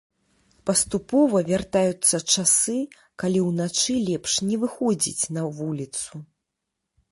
Паступова вяртаюцца часы, калі ўначы лепш не выходзіць на вуліцу.